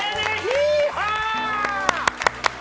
ヒーハー！